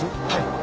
はい。